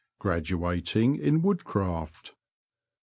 Graduating in Woodcraft.